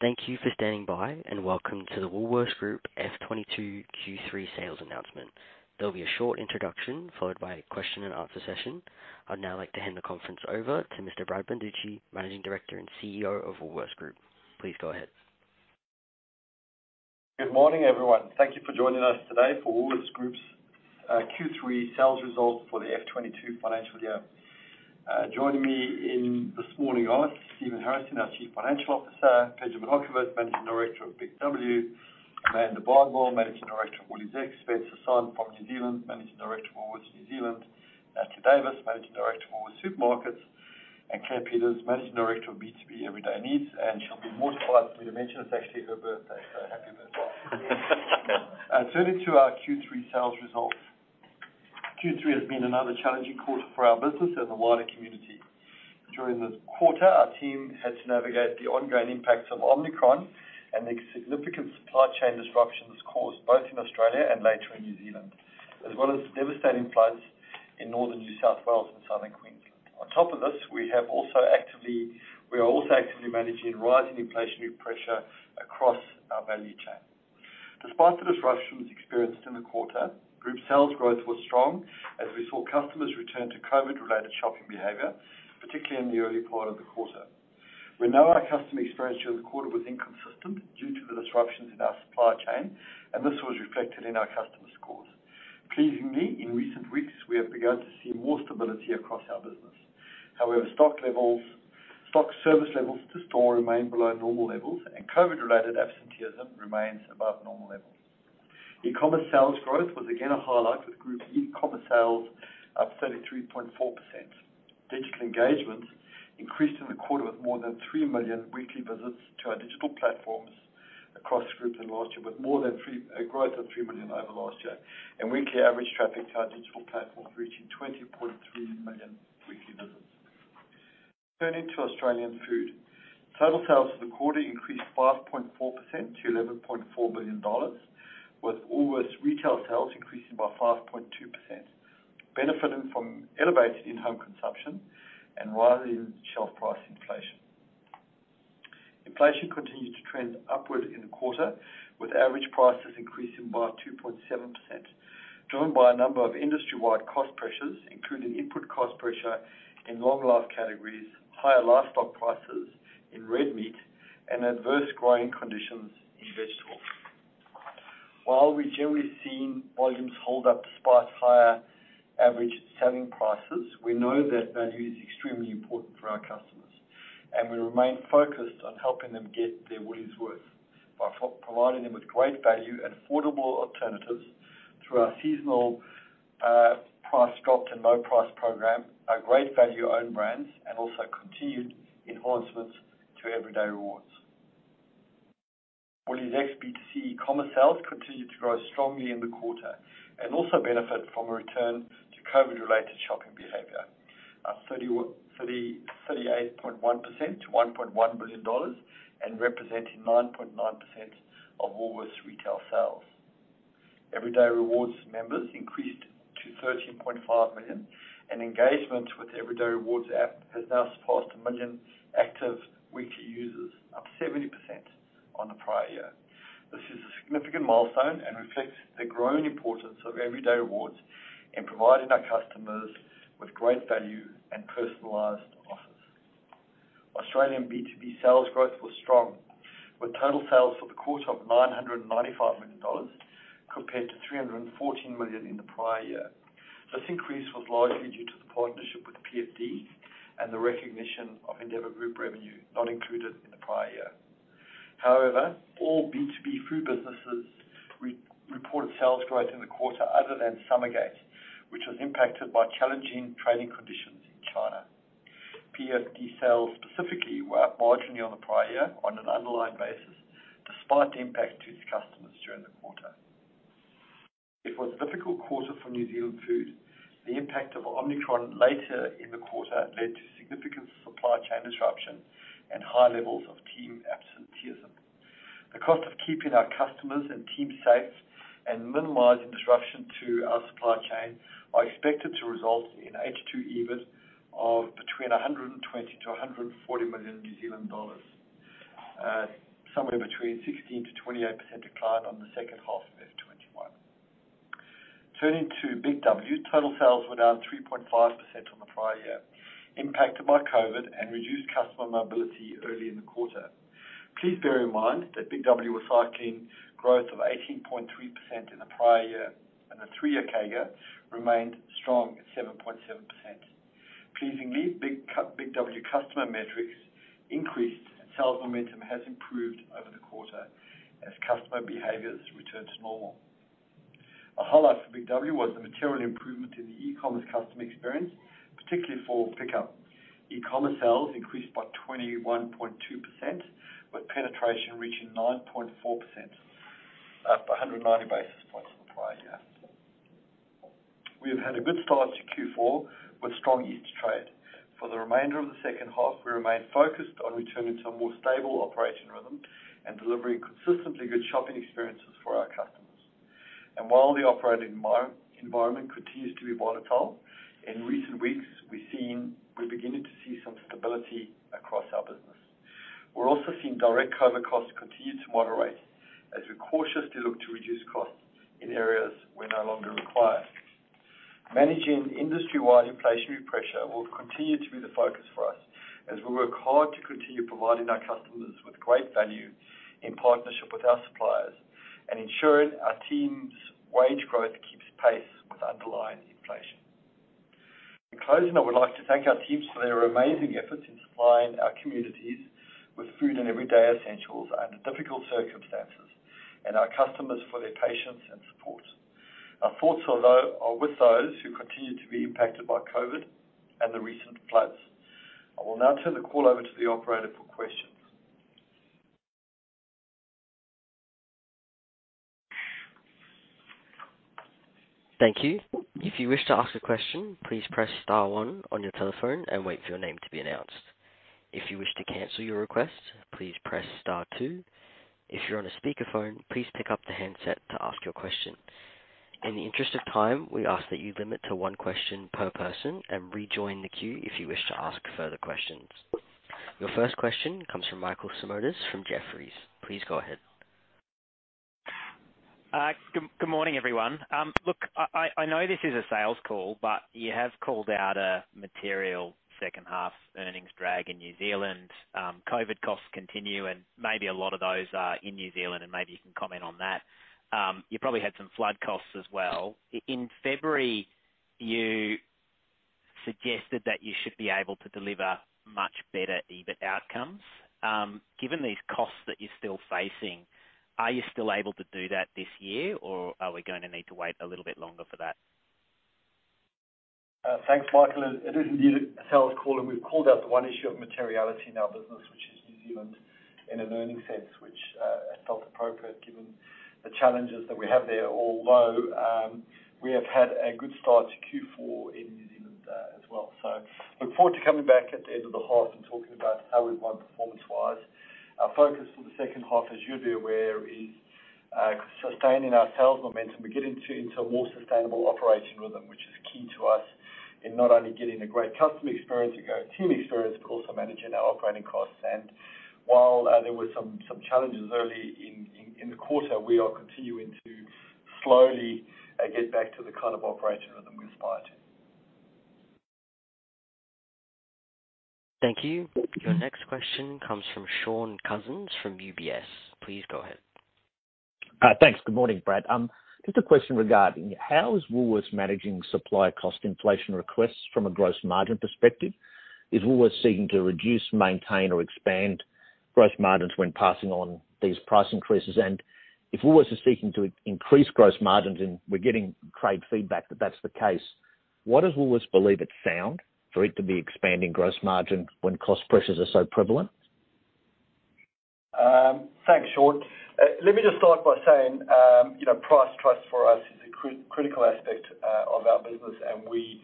Thank you for standing by, and welcome to the Woolworths Group FY22 Q3 Sales Announcement. There'll be a short introduction followed by a question and answer session. I'd now like to hand the conference over to Mr. Brad Banducci, Managing Director and CEO of Woolworths Group. Please go ahead. Good morning, everyone. Thank you for joining us today for Woolworths Group's Q3 sales results for the FY22 financial year. Joining me this morning are Stephen Harrison, our Chief Financial Officer, Pejman Okhovat, Managing Director of BIG W, Amanda Bardwell, Managing Director of WooliesX, Spencer Sonn from New Zealand, Managing Director of Woolworths New Zealand, Natalie Davis, Managing Director of Woolworths Supermarkets, and Claire Peters, Managing Director of B2B and Everyday Needs, and she'll be mortified for me to mention it's actually her birthday, so happy birthday. Turning to our Q3 sales results. Q3 has been another challenging quarter for our business and the wider community. During the quarter, our team had to navigate the ongoing impacts of Omicron and the significant supply chain disruptions caused both in Australia and later in New Zealand, as well as the devastating floods in northern New South Wales and southern Queensland. On top of this, we are also actively managing rising inflationary pressure across our value chain. Despite the disruptions experienced in the quarter, group sales growth was strong as we saw customers return to COVID-related shopping behavior, particularly in the early part of the quarter. We know our customer experience during the quarter was inconsistent due to the disruptions in our supply chain, and this was reflected in our customer scores. Pleasingly, in recent weeks, we have begun to see more stability across our business. However, stock service levels to stores remain below normal levels and COVID-related absenteeism remains above normal levels. e-commerce sales growth was again a highlight with group e-commerce sales up 33.4%. Digital engagement increased in the quarter with a growth of 3 million weekly visits to our digital platforms across the group over last year, and weekly average traffic to our digital platforms reaching 20.3 million weekly visits. Turning to Australian Food. Total sales for the quarter increased 5.4% to 11.4 billion dollars, with all retail sales increasing by 5.2%, benefiting from elevated in-home consumption and rising shelf price inflation. Inflation continued to trend upward in the quarter, with average prices increasing by 2.7%, driven by a number of industry-wide cost pressures, including input cost pressure in long-life categories, higher livestock prices in red meat, and adverse growing conditions in vegetables. While we've generally seen volumes hold up despite higher average selling prices, we know that value is extremely important for our customers, and we remain focused on helping them get their money's worth by providing them with great value and affordable alternatives through our seasonal price drop and low price program, our great value own brands and also continued enhancements to Everyday Rewards. WooliesX B2C commerce sales continued to grow strongly in the quarter and also benefit from a return to COVID-related shopping behavior. 38.1% to 1.1 billion dollars and representing 9.9% of Woolworths Retail sales. Everyday Rewards members increased to 13.5 million, and engagement with Everyday Rewards app has now surpassed 1 million active weekly users, up 70% on the prior year. This is a significant milestone and reflects the growing importance of Everyday Rewards in providing our customers with great value and personalized offers. Australian B2B sales growth was strong, with total sales for the quarter of 995 million dollars compared to 314 million in the prior year. This increase was largely due to the partnership with PFD and the recognition of Endeavor Group revenue not included in the prior year. However, all B2B food businesses re-reported sales growth in the quarter other than Summergate, which was impacted by challenging trading conditions in China. PFD sales specifically were up marginally on the prior year on an underlying basis, despite the impact to its customers during the quarter. It was a difficult quarter for New Zealand Food. The impact of Omicron later in the quarter led to significant supply chain disruption and high levels of team absenteeism. The cost of keeping our customers and team safe and minimizing disruption to our supply chain are expected to result in H2 EBIT of between 120 million and 140 million New Zealand dollars. Somewhere between 16%-28% decline on the second half of FY21. Turning to Big W. Total sales were down 3.5% on the prior year, impacted by COVID and reduced customer mobility early in the quarter. Please bear in mind that Big W was cycling growth of 18.3% in the prior year and the three-year CAGR remained strong at 7.7%. Pleasingly, Big W customer metrics increased and sales momentum has improved over the quarter as customer behaviors return to normal. A highlight for Big W was the material improvement in the e-commerce customer experience, particularly for pickup. E-commerce sales increased by 21.2%, with penetration reaching 9.4%, up 190 basis points from the prior year. We have had a good start to Q4 with strong Easter trade. For the remainder of the second half, we remain focused on returning to a more stable operation rhythm and delivering consistently good shopping experiences for our customers. While the operating environment continues to be volatile, in recent weeks, we're beginning to see some stability across our business. We're also seeing direct COVID costs continue to moderate as we cautiously look to reduce costs in areas where no longer required. Managing industry-wide inflationary pressure will continue to be the focus for us as we work hard to continue providing our customers with great value in partnership with our suppliers and ensuring our team's wage growth keeps pace with underlying inflation. In closing, I would like to thank our teams for their amazing efforts in supplying our communities with food and everyday essentials under difficult circumstances and our customers for their patience and support. Our thoughts are with those who continue to be impacted by COVID and the recent floods. I will now turn the call over to the operator for questions. Thank you. If you wish to ask a question, please press star one on your telephone and wait for your name to be announced. If you wish to cancel your request, please press star two. If you're on a speakerphone, please pick up the handset to ask your question. In the interest of time, we ask that you limit to one question per person and rejoin the queue if you wish to ask further questions. Your first question comes from Michael Simotas from Jefferies. Please go ahead. Good morning, everyone. Look, I know this is a sales call, but you have called out a material second half earnings drag in New Zealand. COVID costs continue, and maybe a lot of those are in New Zealand, and maybe you can comment on that. You probably had some flood costs as well. In February, you suggested that you should be able to deliver much better EBIT outcomes. Given these costs that you're still facing, are you still able to do that this year, or are we gonna need to wait a little bit longer for that? Thanks, Michael. It is indeed a sales call, and we've called out the one issue of materiality in our business, which is New Zealand, in an earnings sense, which I felt appropriate given the challenges that we have there, although we have had a good start to Q4 in New Zealand as well. Look forward to coming back at the end of the half and talking about how we've gone performance-wise. Our focus for the second half, as you'd be aware, is sustaining our sales momentum and getting into a more sustainable operation rhythm, which is key to us in not only getting a great customer experience and great team experience, but also managing our operating costs. While there were some challenges early in the quarter, we are continuing to slowly get back to the kind of operation rhythm we aspire to. Thank you. Your next question comes from Shaun Cousins from UBS. Please go ahead. Thanks. Good morning, Brad. Just a question regarding how is Woolworths managing supply cost inflation requests from a gross margin perspective? Is Woolworths seeking to reduce, maintain, or expand gross margins when passing on these price increases? If Woolworths is seeking to increase gross margins, and we're getting trade feedback that that's the case, what does Woolworths believe it's found for it to be expanding gross margin when cost pressures are so prevalent? Thanks, Sean. Let me just start by saying, you know, price trust for us is a critical aspect of our business, and we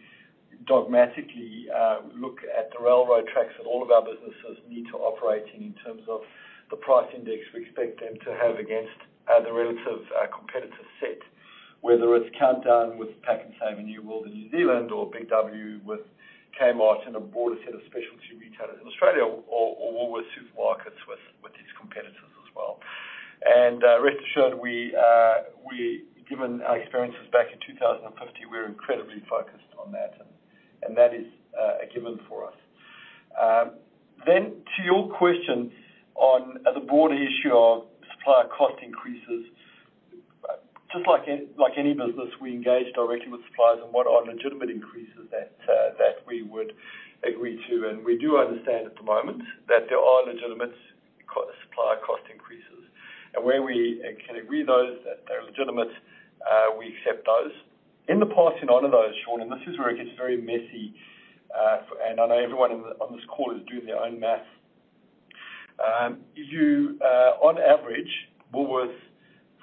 dogmatically look at the railroad tracks that all of our businesses need to operate in terms of the price index we expect them to have against the relative competitor set, whether it's Countdown with Pak'nSave and New World in New Zealand or Big W with Kmart and a broader set of specialty retailers in Australia or Woolworths Supermarkets with its competitors as well. Rest assured, we, given our experiences back in 2050, we're incredibly focused on that, and that is a given for us. To your question on the broader issue of supplier cost increases, just like any business, we engage directly with suppliers on what are legitimate increases that we would agree to. We do understand at the moment that there are legitimate supplier cost increases. Where we can agree those that they're legitimate, we accept those. In the past, in order to honor those, Sean, and this is where it gets very messy, and I know everyone on this call is doing their own math. On average, Woolworths,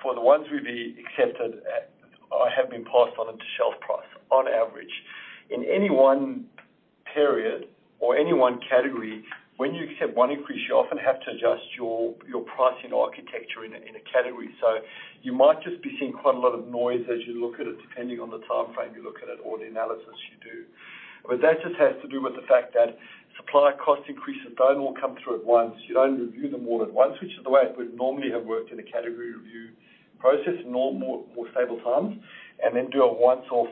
for the ones we've accepted, have been passed on into shelf price on average. In any one period or any one category, when you accept one increase, you often have to adjust your pricing architecture in a category. You might just be seeing quite a lot of noise as you look at it, depending on the time frame you look at it or the analysis you do. That just has to do with the fact that supplier cost increases don't all come through at once. You don't review them all at once, which is the way it would normally have worked in a category review process in normal, more stable times, and then do a once-off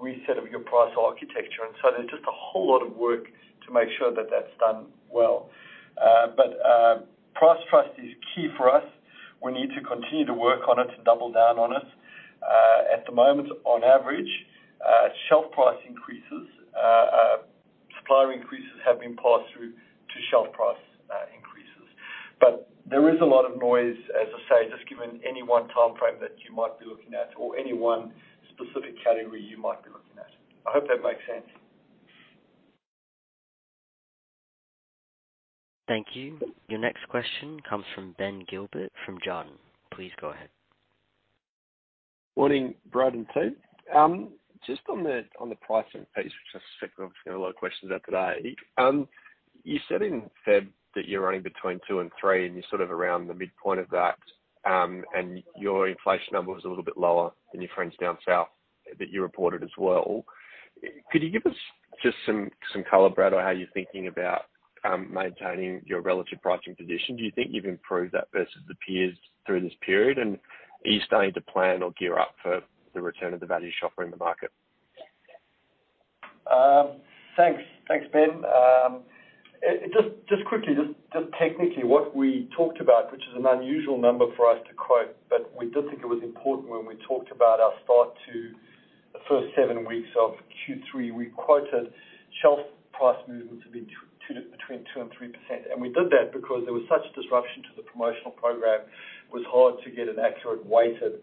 reset of your price architecture. There's just a whole lot of work to make sure that that's done well. Price trust is key for us. We need to continue to work on it, to double down on it. At the moment, on average, shelf price increases, supplier increases have been passed through to shelf price, increases. there is a lot of noise, as I say, just given any one time frame that you might be looking at or any one specific category you might be looking at. I hope that makes sense. Thank you. Your next question comes from Ben Gilbert from Jarden. Please go ahead. Morning, Brad and team. Just on the pricing piece, which I think we've got a lot of questions about today. You said in February that you're earning between 2%-3%, and you're sort of around the midpoint of that, and your inflation number was a little bit lower than your friends down south that you reported as well. Could you give us just some color, Brad, on how you're thinking about maintaining your relative pricing position? Do you think you've improved that versus the peers through this period? Are you starting to plan or gear up for the return of the value shopper in the market? Thanks. Thanks, Ben. Just quickly, technically what we talked about, which is an unusual number for us to quote, but we did think it was important when we talked about our start to the first seven weeks of Q3. We quoted shelf price movements have been between 2% and 3%. We did that because there was such disruption to the promotional program, it was hard to get an accurate weighted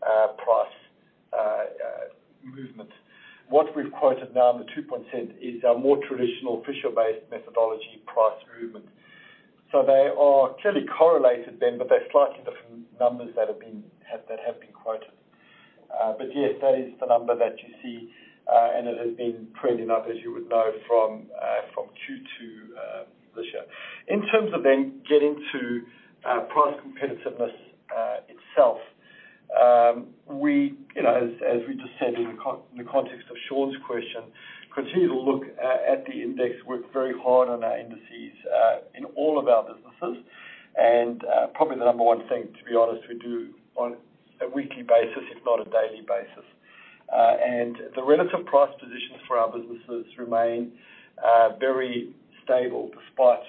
price movement. What we've quoted now in the 2% is our more traditional official-based methodology price movement. They are clearly correlated then, but they're slightly different numbers that have been quoted. But yes, that is the number that you see, and it has been trending up, as you would know, from Q2 this year. In terms of then getting to price competitiveness itself, we, you know, as we just said in the context of Shaun's question, continue to look at the index, work very hard on our indices in all of our businesses, and probably the number one thing, to be honest, we do on a weekly basis, if not a daily basis. The relative price positions for our businesses remain very stable despite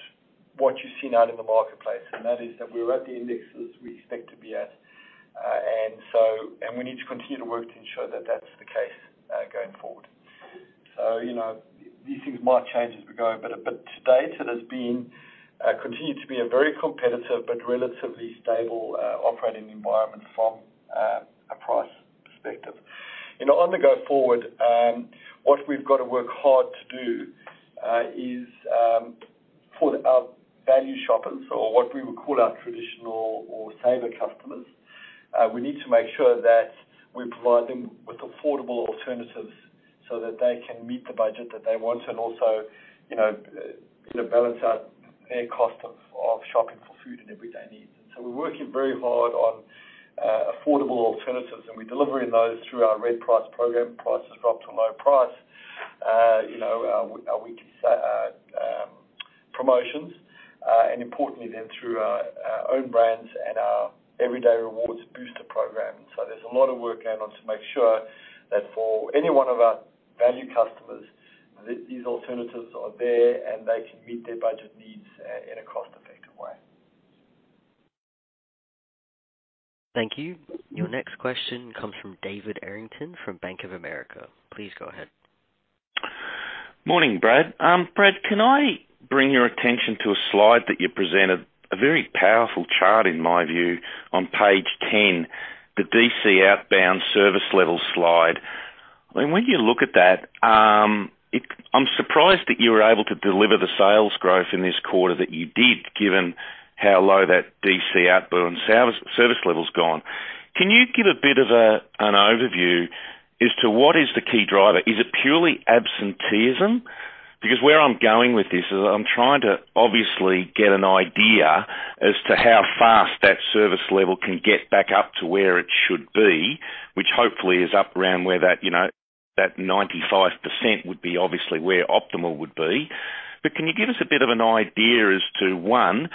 what you see now in the marketplace. That is that we're at the indexes we expect to be at, and we need to continue to work to ensure that that's the case going forward. You know, these things might change as we go, but to date, it has been continued to be a very competitive but relatively stable operating environment from a price perspective. You know, on the go forward, what we've got to work hard to do is for our value shoppers or what we would call our traditional or saver customers, we need to make sure that we provide them with affordable alternatives so that they can meet the budget that they want and also, you know, you know, balance out their cost of shopping for food and Everyday Needs. We're working very hard on affordable alternatives, and we're delivering those through our Red Price program, Prices Dropped, Too Low Price, our weekly promotions, and importantly through our own brands and our Everyday Rewards booster program. There's a lot of work going on to make sure that for any one of our value customers, these alternatives are there, and they can meet their budget needs in a cost-effective way. Thank you. Your next question comes from David Errington from Bank of America. Please go ahead. Morning, Brad. Brad, can I bring your attention to a slide that you presented, a very powerful chart in my view on page 10, the DC outbound service level slide. I mean, when you look at that, I'm surprised that you were able to deliver the sales growth in this quarter that you did, given how low that DC outbound service level's gone. Can you give a bit of an overview as to what is the key driver? Is it purely absenteeism? Because where I'm going with this is I'm trying to obviously get an idea as to how fast that service level can get back up to where it should be, which hopefully is up around where that, you know, that 95% would be obviously where optimal would be. Can you give us a bit of an idea as to, one,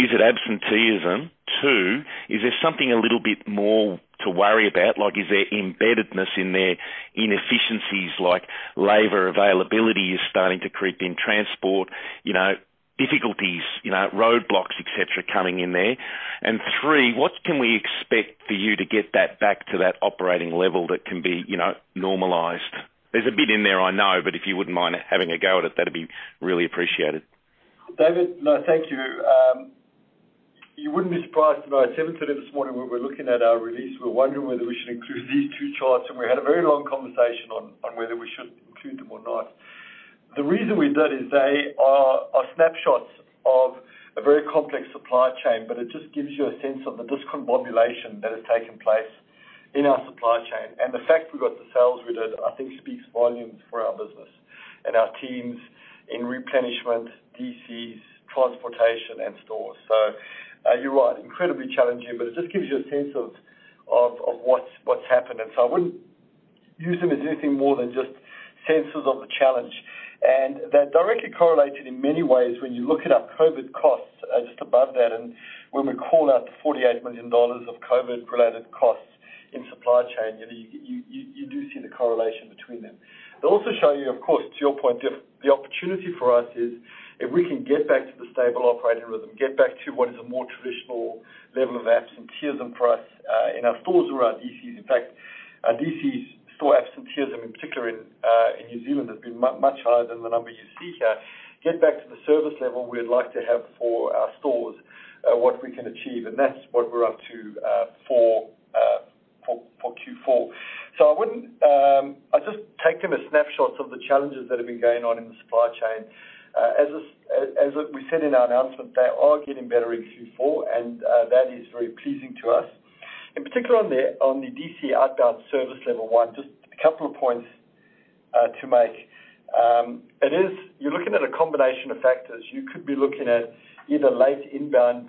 is it absenteeism? Two, is there something a little bit more to worry about? Like is there embeddedness in their inefficiencies, like labor availability is starting to creep in, transport, you know, difficulties, you know, roadblocks, et cetera, coming in there. Three, what can we expect for you to get that back to that operating level that can be, you know, normalized? There's a bit in there, I know, but if you wouldn't mind having a go at it, that'd be really appreciated. David. No, thank you. You wouldn't be surprised if I said today this morning when we're looking at our release, we were wondering whether we should include these two charts, and we had a very long conversation on whether we should include them or not. The reason we did is they are snapshots of a very complex supply chain, but it just gives you a sense of the discombobulation that has taken place in our supply chain. The fact we got the sales we did, I think speaks volumes for our business and our teams in replenishment, DCs, transportation, and stores. You're right, incredibly challenging, but it just gives you a sense of what's happened. I wouldn't use them as anything more than just senses of the challenge. They're directly correlated in many ways when you look at our COVID costs, just above that. When we call out the 48 million dollars of COVID-related costs in supply chain, you know, you do see the correlation between them. They also show you, to your point, the opportunity for us is if we can get back to the stable operating rhythm, get back to what is a more traditional level of absenteeism for us, in our stores or our DCs. In fact, our DCs saw absenteeism, in particular in New Zealand, has been much higher than the number you see here. Get back to the service level we'd like to have for our stores, what we can achieve, and that's what we're up to, for Q4. I wouldn't, I'd just take them as snapshots of the challenges that have been going on in the supply chain. As we said in our announcement, they are getting better in Q4, and that is very pleasing to us. In particular on the DC outbound service level one, just a couple of points to make. It is. You're looking at a combination of factors. You could be looking at either late inbound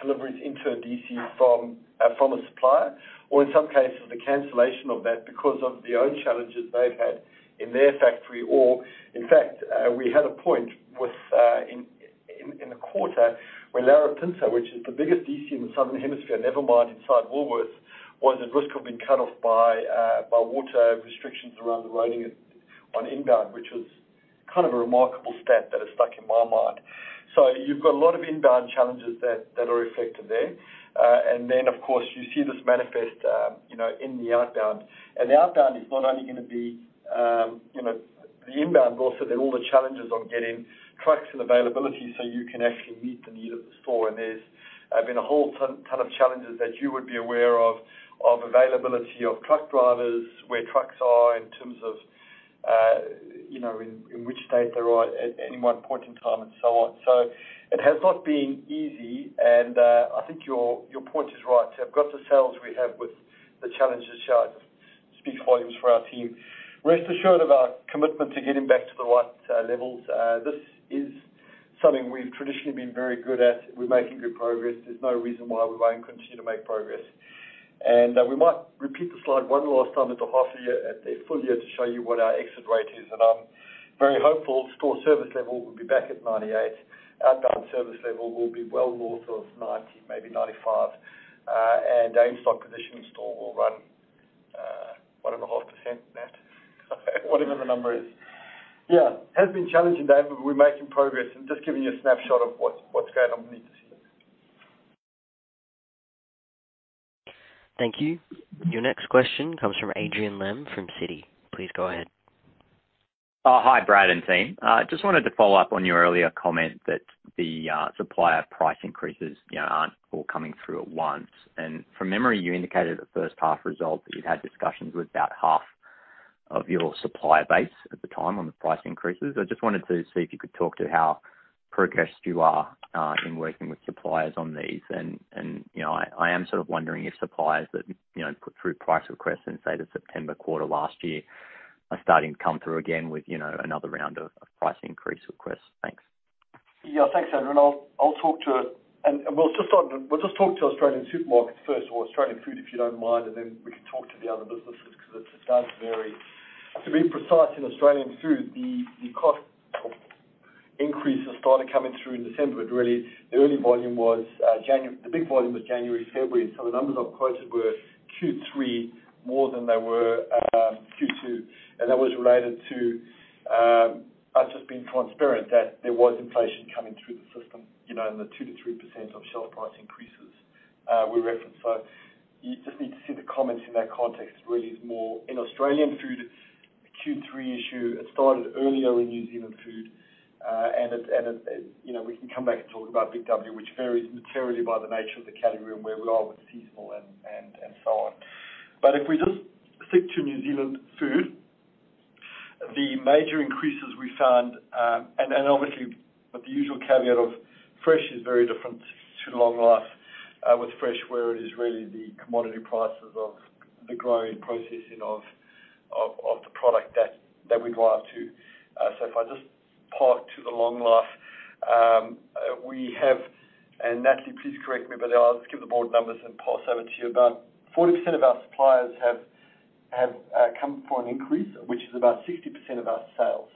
deliveries into a DC from a supplier or in some cases the cancellation of that because of their own challenges they've had in their factory, or in fact, we had a point within the quarter where Larapinta, which is the biggest DC in the Southern Hemisphere, never mind inside Woolworths, was at risk of being cut off by water restrictions around the road and inbound, which was kind of a remarkable stat that has stuck in my mind. You've got a lot of inbound challenges that are affected there. Of course, you see this manifest, you know, in the outbound. The outbound is not only gonna be, you know, the inbound, but also there are all the challenges on getting trucks and availability, so you can actually meet the need of the store. There's been a whole ton of challenges that you would be aware of availability of truck drivers, where trucks are in terms of, you know, in which state they are at any one point in time and so on. It has not been easy and, I think your point is right. To have got the sales we have with the challenges shows. Speaks volumes for our team. Rest assured of our commitment to getting back to the right levels. This is something we've traditionally been very good at. We're making good progress. There's no reason why we won't continue to make progress. We might repeat the slide one last time at the half year, at the full year, to show you what our exit rate is. I'm very hopeful store service level will be back at 98%. Outbound service level will be well north of 90%, maybe 95%. Aim stock position in store will run 1.5%, Nat. Whatever the number is. Yeah. It has been challenging, Dan, but we're making progress and just giving you a snapshot of what's going on beneath the surface. Thank you. Your next question comes from Adrian Lemme, from Citi. Please go ahead. Oh, hi, Brad and team. Just wanted to follow up on your earlier comment that the supplier price increases, you know, aren't all coming through at once. From memory, you indicated at the first half results that you'd had discussions with about half of your supplier base at the time on the price increases. I just wanted to see if you could talk to how progressed you are in working with suppliers on these. You know, I am sort of wondering if suppliers that, you know, put through price requests in, say, the September quarter last year are starting to come through again with, you know, another round of price increase requests. Thanks. Yeah. Thanks, Adrian. I'll talk to. We'll just start with Australian supermarkets first or Australian Food, if you don't mind, and then we can talk to the other businesses because it does vary. To be precise, in Australian Food, the cost increases started coming through in December, but really the early volume was January. The big volume was January, February. The numbers I've quoted were Q3 more than they were Q2, and that was related to us just being transparent that there was inflation coming through the system, you know, in the 2%-3% of shelf price increases we referenced. You just need to see the comments in that context. It really is more in Australian Food, a Q3 issue. It started earlier in New Zealand Food, and it you know we can come back and talk about Big W, which varies materially by the nature of the category and where we are with seasonal and so on. If we just stick to New Zealand Food, the major increases we found and obviously with the usual caveat of fresh is very different to long life. With fresh, where it is really the commodity prices of the growing, processing of the product that we drive to. If I just park to the long life, we have, and Natalie, please correct me, but I'll just give the broad numbers and pass over to you. About 40% of our suppliers have come for an increase, which is about 60% of our sales.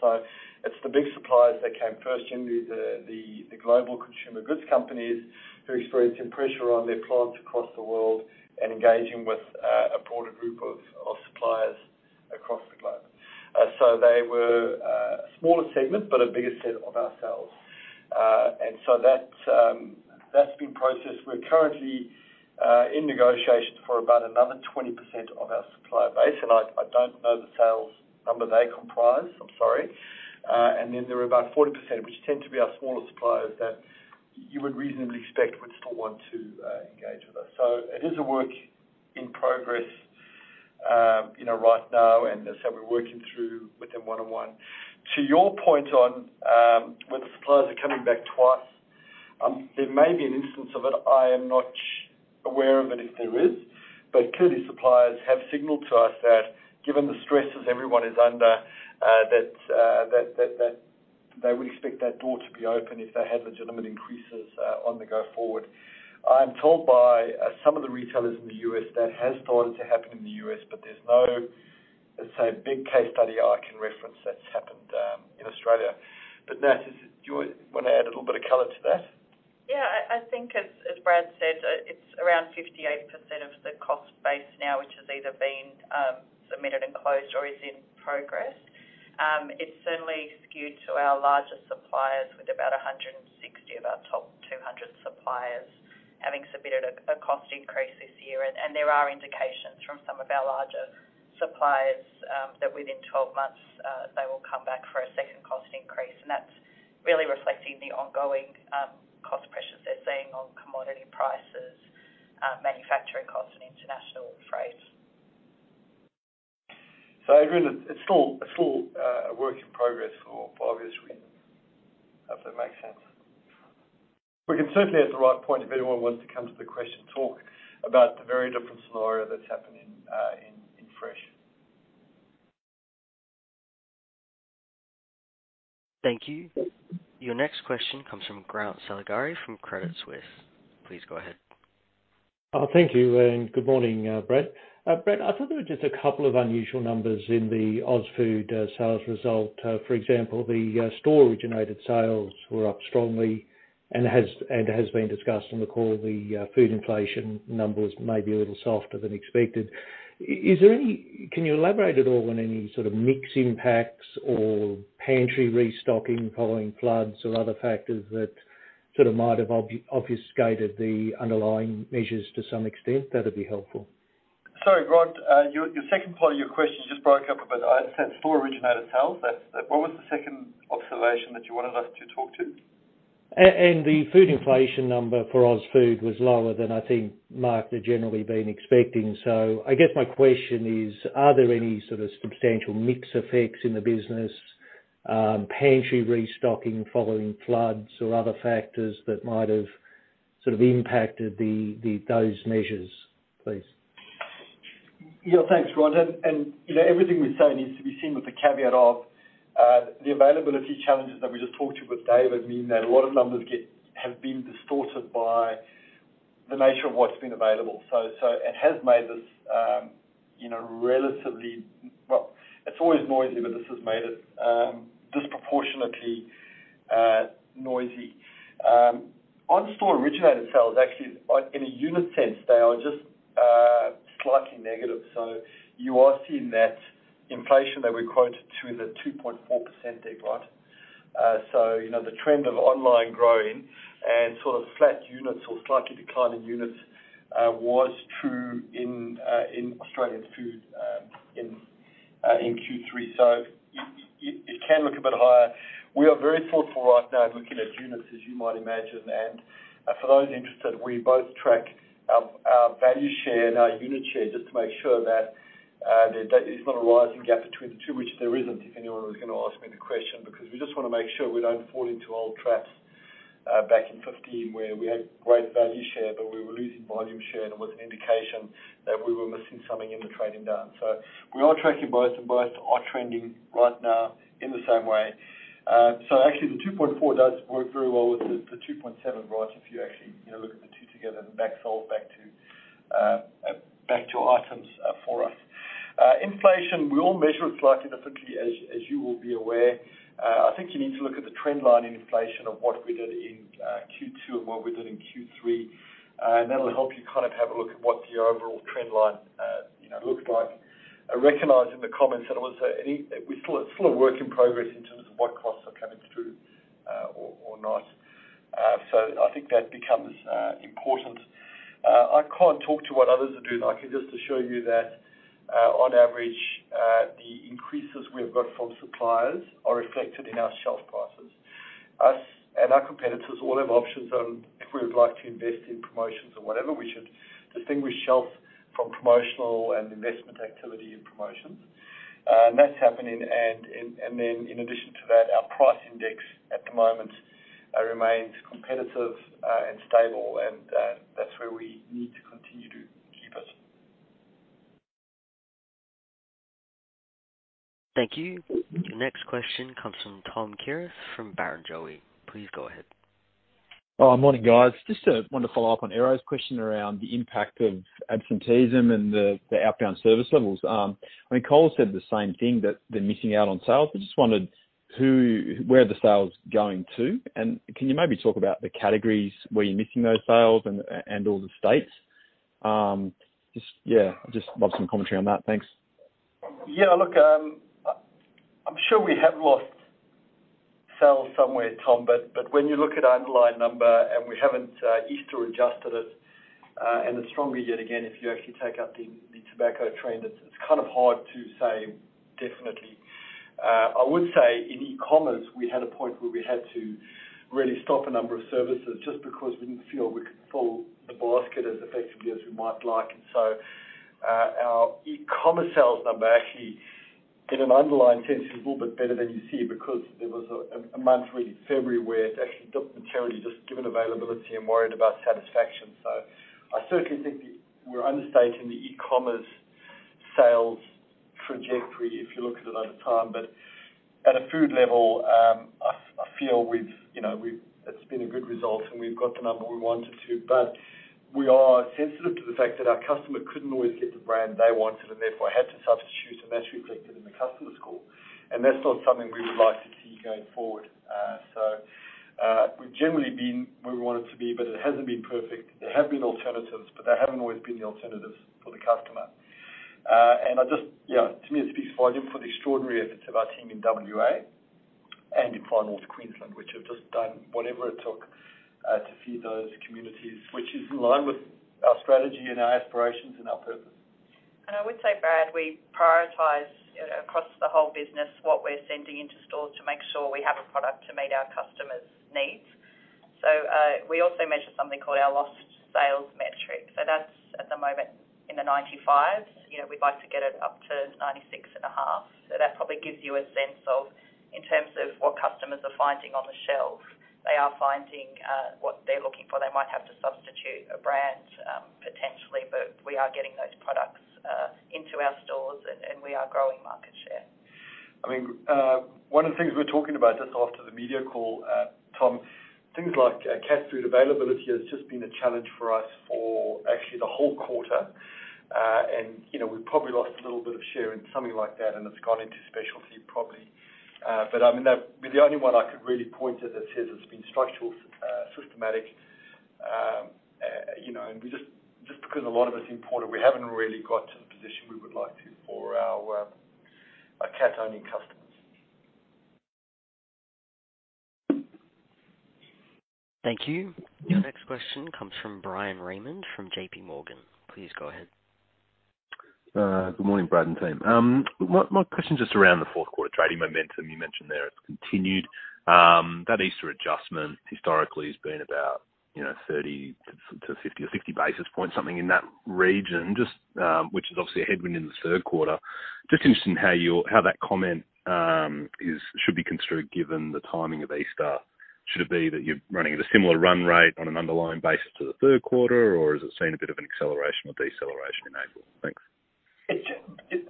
It's the big suppliers that came first. Generally, the global consumer goods companies who are experiencing pressure on their plants across the world and engaging with a broader group of suppliers across the globe. They were a smaller segment, but a bigger set of our sales. That's been processed. We're currently in negotiations for about another 20% of our supplier base, and I don't know the sales number they comprise. I'm sorry. There are about 40%, which tend to be our smaller suppliers that you would reasonably expect would still want to engage with us. It is a work in progress, you know, right now, and that's how we're working through with them one-on-one. To your point on whether suppliers are coming back twice, there may be an instance of it. I am not aware of it if there is. Clearly, suppliers have signaled to us that given the stresses everyone is under, that they would expect that door to be open if they have legitimate increases, on the go forward. I'm told by some of the retailers in the US that has started to happen in the US, but there's no, let's say, big case study I can reference that's happened, in Australia. Nat, do you wanna add a little bit of color to that? Yeah. I think as Brad said, it's around 58% of the cost base now, which has either been submitted and closed or is in progress. It's certainly skewed to our larger suppliers with about 160 of our top 200 suppliers having submitted a cost increase this year. There are indications from some of our larger suppliers that within 12 months, they will come back for a second cost increase. That's really reflecting the ongoing cost pressures they're seeing on commodity prices, manufacturing costs and international. Adrian, it's still a work in progress for obvious reasons. Hope that makes sense. We can certainly at the right point, if anyone wants to come to the question, talk about the very different scenario that's happening in Fresh. Thank you. Your next question comes from Craig Woolford from Credit Suisse. Please go ahead. Thank you, and good morning, Brad. Brad, I thought there were just a couple of unusual numbers in the AusFood sales result. For example, the store-originated sales were up strongly and has been discussed on the call, the food inflation numbers may be a little softer than expected. Is there any? Can you elaborate at all on any sort of mix impacts or pantry restocking following floods or other factors that sort of might have obfuscated the underlying measures to some extent? That'd be helpful. Sorry, Craig Woolford. Your second part of your question just broke up a bit. I said store-originated sales. What was the second observation that you wanted us to talk to? The food inflation number for AusFood was lower than I think market had generally been expecting. I guess my question is: Are there any sort of substantial mix effects in the business, pantry restocking following floods or other factors that might have sort of impacted those measures, please? Yeah. Thanks, Grant. You know, everything we say needs to be seen with the caveat of the availability challenges that we just talked to with David mean that a lot of numbers have been distorted by the nature of what's been available. It has made this you know, relatively. Well, it's always noisy, but this has made it disproportionately noisy. On store-originated sales, actually, like in a unit sense, they are just slightly negative. You are seeing that inflation that we quoted to the 2.4% decline. You know, the trend of online growing and sort of flat units or slightly declining units was true in Australian Food in Q3. It can look a bit higher. We are very thoughtful right now looking at units, as you might imagine. For those interested, we both track our value share and our unit share just to make sure that there's not a rising gap between the two, which there isn't, if anyone was gonna ask me the question. Because we just wanna make sure we don't fall into old traps back in 2015, where we had great value share, but we were losing volume share, and it was an indication that we were missing something in the trading down. We are tracking both, and both are trending right now in the same way. Actually, the 2.4% does work very well with the 2.7% growth if you actually, you know, look at the two together and back solve back to items for us. Inflation, we all measure it slightly differently, as you will be aware. I think you need to look at the trend line in inflation of what we did in Q2 and what we did in Q3. That'll help you kind of have a look at what the overall trend line, you know, looks like. I recognize in the comments that I would say anyway. It's still a work in progress in terms of what costs are coming through, or not. I think that becomes important. I can't talk to what others are doing. I can just assure you that, on average, the increases we have got from suppliers are reflected in our shelf prices. Us and our competitors all have options on if we would like to invest in promotions or whatever we should distinguish shelf from promotional and investment activity and promotions. And that's happening and then in addition to that, our price index at the moment remains competitive and stable and that's where we need to continue to keep us. Thank you. Your next question comes from Thomas Kierath from Barrenjoey. Please go ahead. Morning, guys. Just wanted to follow up on David Errington's question around the impact of absenteeism and the outbound service levels. I mean, Coles said the same thing, that they're missing out on sales. I just wondered who, where the sales are going to, and can you maybe talk about the categories where you're missing those sales and all the states? Just, yeah, just love some commentary on that. Thanks. Yeah. Look, I'm sure we have lost sales somewhere, Tom, but when you look at our underlying number and we haven't Easter adjusted it, and it's stronger yet again, if you actually take out the tobacco trend, it's kind of hard to say definitely. I would say in e-commerce, we had a point where we had to really stop a number of services just because we didn't feel we could fill the basket as effectively as we might like. Our e-commerce sales number actually, in an underlying sense, is a little bit better than you see because there was a month really, February, where it actually dropped materially just given availability and worried about satisfaction. I certainly think we're understating the e-commerce sales trajectory if you look at it over time. At a food level, I feel we've, you know, It's been a good result, and we've got the number we wanted to. We are sensitive to the fact that our customer couldn't always get the brand they wanted and therefore had to substitute, and that's reflected in the customer score. That's not something we would like to see going forward. We've generally been where we wanted to be, but it hasn't been perfect. There have been alternatives, but they haven't always been the alternatives for the customer. To me, it speaks volumes for the extraordinary efforts of our team in WA and in Far North Queensland, which have just done whatever it took to feed those communities, which is in line with our strategy and our aspirations and our purpose. I would say, Brad, we prioritize across the whole business what we're sending into stores to make sure we have a product to meet our customers' needs. We also measure something called our loss to- That's at the moment 95%. You know, we'd like to get it up to 96.5%. That probably gives you a sense of, in terms of what customers are finding on the shelf. They are finding what they're looking for. They might have to substitute a brand, potentially, but we are getting those products into our stores and we are growing market share. I mean, one of the things we were talking about just after the media call, Tom, things like cat food availability has just been a challenge for us for actually the whole quarter. You know, we probably lost a little bit of share in something like that, and it's gone into specialty probably. I mean, that'd be the only one I could really point to that says it's been structural, systematic. You know, we just because a lot of it's imported, we haven't really got to the position we would like to for our cat-owning customers. Thank you. Your next question comes from Bryan Raymond from J.P. Morgan. Please go ahead. Good morning, Brad and team. My question's just around the fourth quarter trading momentum you mentioned there, it's continued. That Easter adjustment historically has been about, you know, 30 to 50 or 60 basis points, something in that region, just, which is obviously a headwind in the third quarter. Just interested in how that comment should be construed given the timing of Easter. Should it be that you're running at a similar run rate on an underlying basis to the third quarter, or has it seen a bit of an acceleration or deceleration in April? Thanks.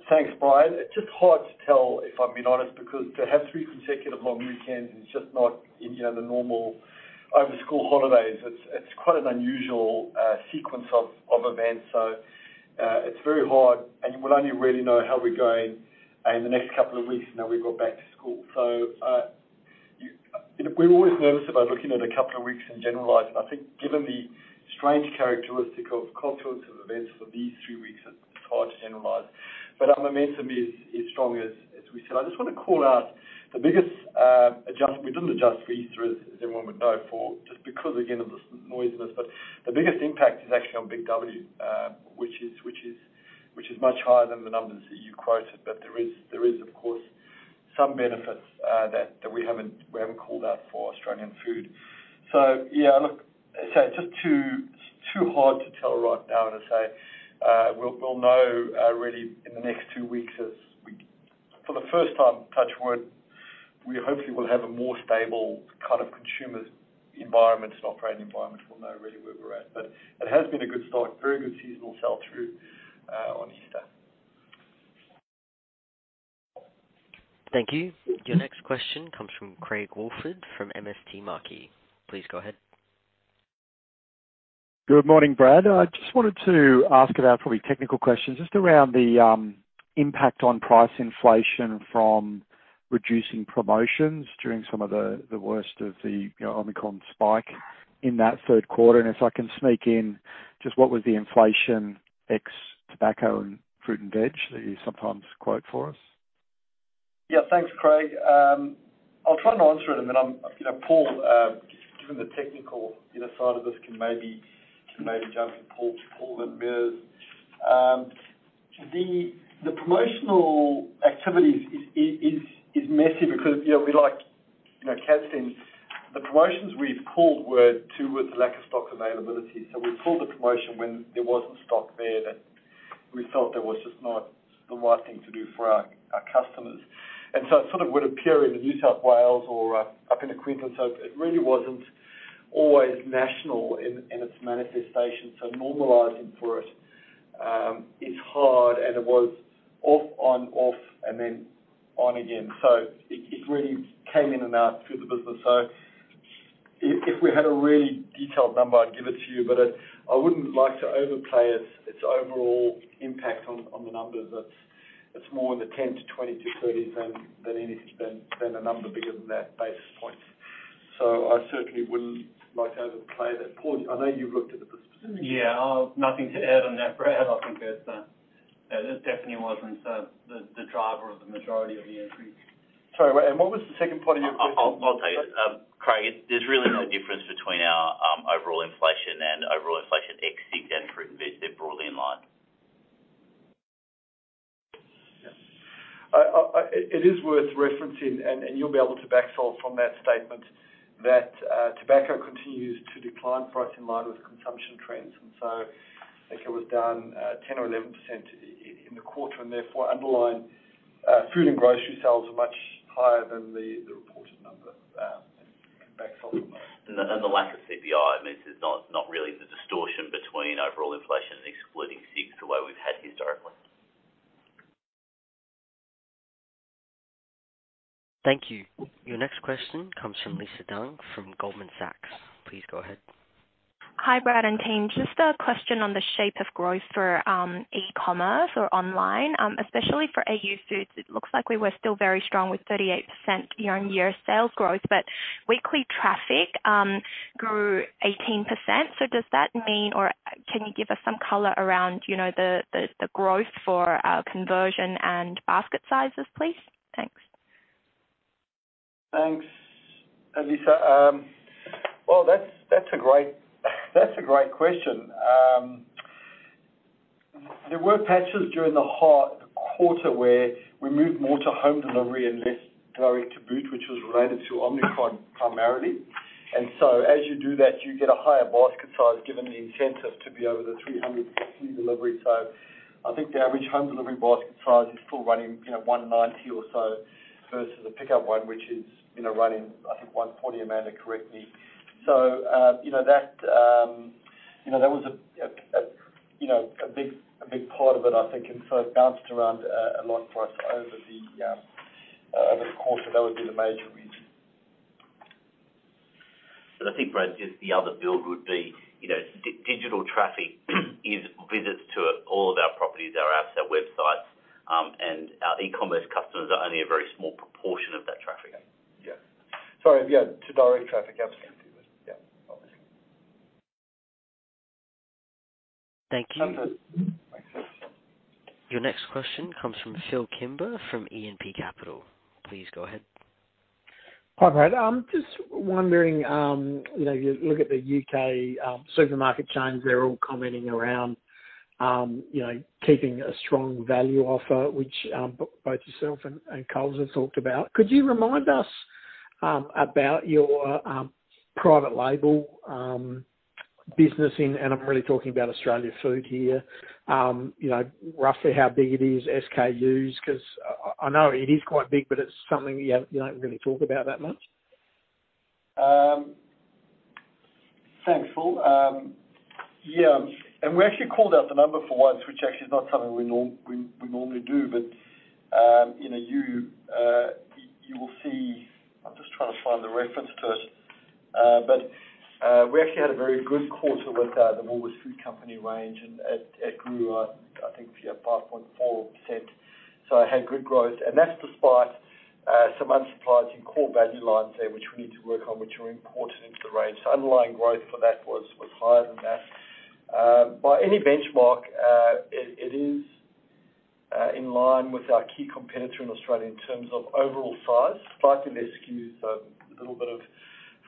Thanks, Bryan. It's just hard to tell, if I'm being honest, because to have three consecutive long weekends is just not in the norm over school holidays. It's quite an unusual sequence of events. It's very hard, and we'll only really know how we're going in the next couple of weeks, you know, we go back to school. You know, we're always nervous about looking at a couple of weeks and generalizing. I think given the strange characteristic of confluence of events for these three weeks, it's hard to generalize. Our momentum is strong, as we said. I just want to call out the biggest adjustment we didn't adjust for Easter, as everyone would know, just because, again, of the noisiness. The biggest impact is actually on Big W, which is much higher than the numbers that you quoted. There is, of course, some benefits that we haven't called out for Australian Food. Yeah, look, as I say, it's just too hard to tell right now, as I say. We'll know really in the next two weeks. For the first time, touch wood, we hopefully will have a more stable kind of consumer environment and operating environment. We'll know really where we're at. It has been a good start, very good seasonal sell-through on Easter. Thank you. Your next question comes from Craig Woolford from MST Marquee. Please go ahead. Good morning, Brad. I just wanted to ask about, probably a technical question, just around the impact on price inflation from reducing promotions during some of the worst of the, you know, Omicron spike in that third quarter. If I can sneak in, just what was the inflation ex tobacco and fruit and veg that you sometimes quote for us? Yeah. Thanks, Craig. I'll try and answer it. Then I'm, you know, Paul, given the technical, you know, side of this can maybe jump in. Paul then Mirs. The promotional activity is messy because, you know, we like, you know, cat food. The promotions we've pulled were due to the lack of stock availability. We pulled the promotion when there wasn't stock there, that we felt was just not the right thing to do for our customers. It sort of would appear in the New South Wales or up into Queensland. It really wasn't always national in its manifestation. Normalizing for it is hard, and it was off, on, off, and then on again. It really came in and out through the business. If we had a really detailed number, I'd give it to you, but I wouldn't like to overplay its overall impact on the numbers. It's more in the 10 to 20 to 30 than anything, a number bigger than that, basis points. I certainly wouldn't like to overplay that. Paul, I know you've looked at the specifics. Yeah. Nothing to add on that, Brad. I think that, yeah, that definitely wasn't the driver of the majority of the increase. Sorry, wait, and what was the second part of your question? I'll tell you. Craig, there's really no difference between our overall inflation and overall inflation ex cigs and fruit and veg. They're broadly in line. It is worth referencing, and you'll be able to back solve from that statement, that tobacco continues to decline in price in line with consumption trends. I think it was down 10% or 11% in the quarter, and therefore, underlying food and grocery sales are much higher than the reported number. You can back solve from there. The lack of CPI means there's not really the distortion between overall inflation and excluding cigs the way we've had historically. Thank you. Your next question comes from Lisa Deng from Goldman Sachs. Please go ahead. Hi, Brad and team. Just a question on the shape of growth for e-commerce or online, especially for Australian Food. It looks like we were still very strong with 38% year-on-year sales growth, but weekly traffic grew 18%. Does that mean, or can you give us some color around, you know, the growth for conversion and basket sizes, please? Thanks. Thanks, Lisa. Well, that's a great question. There were patches during the quarter where we moved more to home delivery and less direct to boot, which was related to Omnichannel primarily. As you do that, you get a higher basket size, given the incentive to be over the 360 delivery. I think the average home delivery basket size is still running, you know, 190 or so versus the pickup one, which is, you know, running, I think, 140. Amanda, correct me. You know, that was a big part of it, I think. It bounced around a lot for us over the course, so that would be the major reason. I think, Brad, just the other bit would be, you know, digital traffic is visits to all of our properties, our apps, our websites, and our e-commerce customers are only a very small proportion of that traffic. Yeah. Sorry, yeah. To direct traffic, absolutely. Yeah. Obviously. Thank you. That's it. Your next question comes from Phillip Kimber, from E&P Capital. Please go ahead. Hi, Brad. I'm just wondering, you know, you look at the UK supermarket chains, they're all commenting around, you know, keeping a strong value offer, which both yourself and Coles have talked about. Could you remind us about your private label business. I'm really talking about Australian Food here. You know, roughly how big it is, SKUs, 'cause I know it is quite big, but it's something you don't really talk about that much. Thanks, Phil. Yeah, we actually called out the number for once, which actually is not something we normally do. You know, you will see. I'm just trying to find the reference to it. We actually had a very good quarter with the Woolworths Food range, and it grew, I think yeah, 5.4%, so it had good growth. That's despite some out-of-stocks in core value lines there, which we need to work on, which are important to the range. Underlying growth for that was higher than that. By any benchmark, it is in line with our key competitor in Australia in terms of overall size, slightly less SKUs, so a little bit of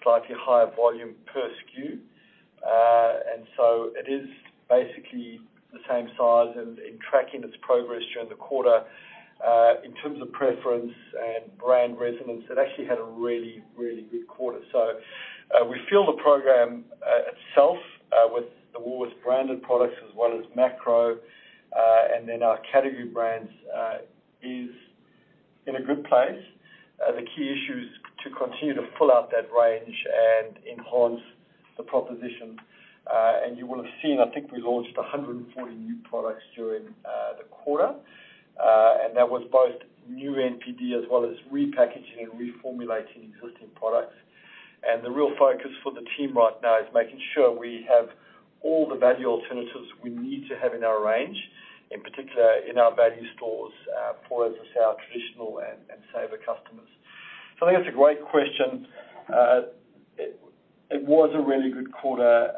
slightly higher volume per SKU. It is basically the same size and in tracking its progress during the quarter. In terms of preference and brand resonance, it actually had a really, really good quarter. We feel the program itself with the Woolworths branded products as well as Macro and then our category brands is in a good place. The key issue is to continue to pull out that range and enhance the proposition. You will have seen, I think we launched 140 new products during the quarter. That was both new NPD as well as repackaging and reformulating existing products. The real focus for the team right now is making sure we have all the value alternatives we need to have in our range, in particular in our value stores, for as I say, our traditional and saver customers. I think that's a great question. It was a really good quarter.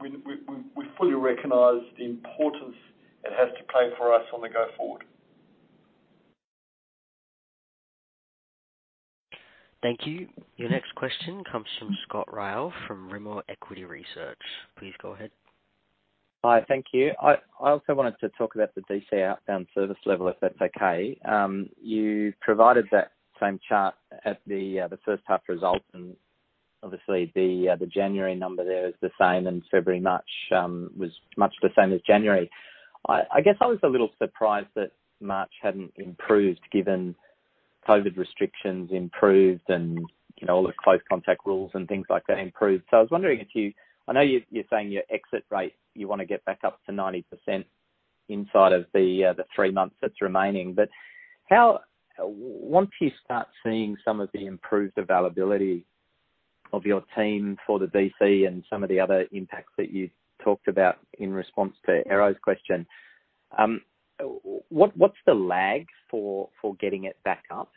We fully recognize the importance it has to play for us on the go forward. Thank you. Your next question comes from Scott Ryall, from Remor Equity Research. Please go ahead. Hi. Thank you. I also wanted to talk about the DC outbound service level, if that's okay. You provided that same chart at the first half results, and obviously the January number there is the same and February, March was much the same as January. I guess I was a little surprised that March hadn't improved, given COVID restrictions improved and, you know, all the close contact rules and things like that improved. I was wondering if you, I know you're saying your exit rate, you wanna get back up to 90% inside of the three months that's remaining. How Once you start seeing some of the improved availability of your team for the DC and some of the other impacts that you talked about in response to David Errington's question, what's the lag for getting it back up?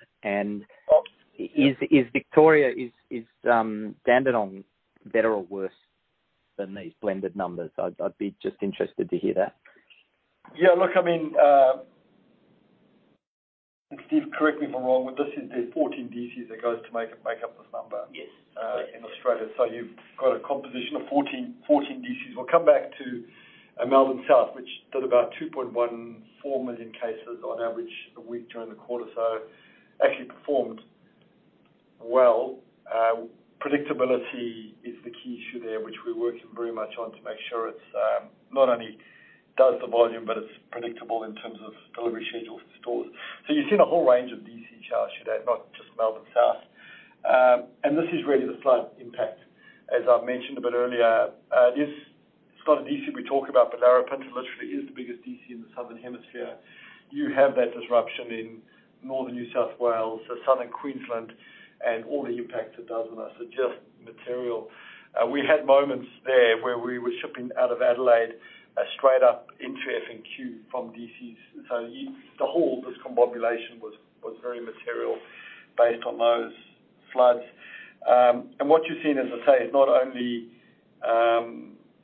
Is Victoria, is Dandenong better or worse than these blended numbers? I'd be just interested to hear that. Yeah. Look, I mean, Stephen, correct me if I'm wrong, but this is the 14 DCs that goes to make up this number. Yes. In Australia. You've got a composition of 14 DCs. We'll come back to Melbourne South, which did about 2.14 million cases on average a week during the quarter, actually performed well. Predictability is the key issue there, which we're working very much on to make sure it's not only does the volume, but it's predictable in terms of delivery schedule to stores. You've seen a whole range of DC charts today, not just Melbourne South. This is really the flood impact, as I've mentioned a bit earlier. It's not a DC we talk about, but Larapinta literally is the biggest DC in the Southern Hemisphere. You have that disruption in Northern New South Wales or Southern Queensland and all the impacts it does on us are just material. We had moments there where we were shipping out of Adelaide straight up into FNQ from DCs. The whole discombobulation was very material based on those floods. What you're seeing, as I say, is not only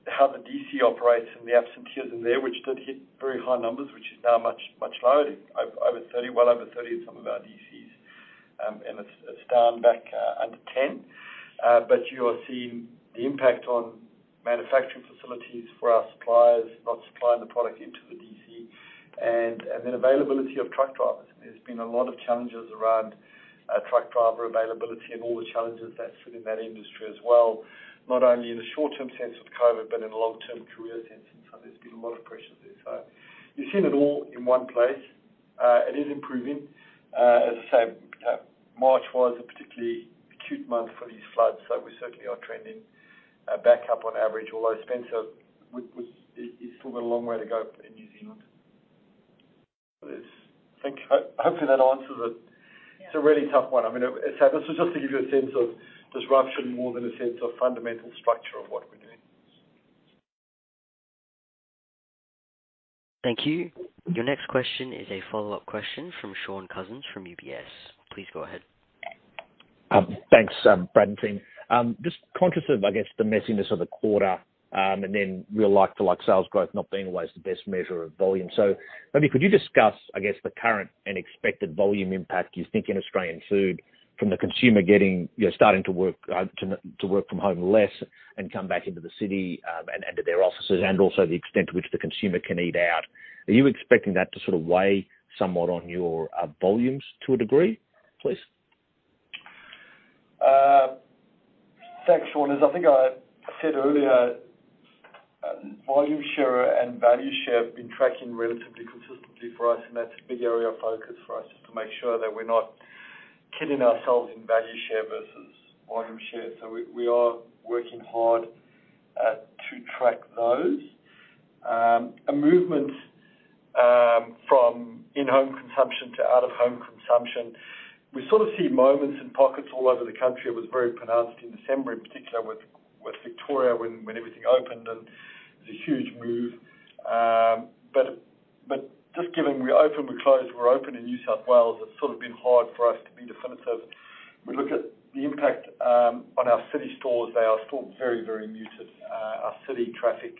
how the DC operates and the absentees in there, which did hit very high numbers, which is now much lower, over 30, well over 30 in some of our DCs, and it's down back under 10. But you are seeing the impact on manufacturing facilities for our suppliers not supplying the product into the DC, and then availability of truck drivers. There's been a lot of challenges around truck driver availability and all the challenges that sit in that industry as well, not only in the short term sense of COVID, but in the long term career sense. There's been a lot of pressures there. You've seen it all in one place. It is improving. As I say, March was a particularly acute month for these floods, so we certainly are trending back up on average. Although Spencer, it's still got a long way to go in New Zealand. It is. Thank you. Hopefully that answers it. Yeah. It's a really tough one. I mean, it's happened. Just to give you a sense of disruption more than a sense of fundamental structure of what we're doing. Thank you. Your next question is a follow-up question from Shaun Cousins from UBS. Please go ahead. Thanks, Brad and team. Just conscious of, I guess, the messiness of the quarter, and then real like-for-like sales growth not being always the best measure of volume. Maybe could you discuss, I guess, the current and expected volume impact you think in Australian Food from the consumer getting, you know, starting to work to work from home less and come back into the city, and to their offices, and also the extent to which the consumer can eat out. Are you expecting that to sort of weigh somewhat on your volumes to a degree, please? Thanks, Shaun. As I think I said earlier, volume share and value share have been tracking relatively consistently for us, and that's a big area of focus for us, just to make sure that we're not kidding ourselves in value share versus volume share. We are working hard to track those. A movement from in-home consumption to out-of-home consumption. We sort of see moments in pockets all over the country. It was very pronounced in December, in particular with Victoria, when everything opened, and it was a huge move. But just given we open, we close, we're open in New South Wales, it's sort of been hard for us to be definitive. We look at the impact on our city stores. They are still very muted. Our city traffic.